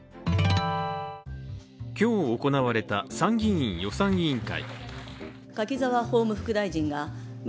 今日行われた参議院予算委員会。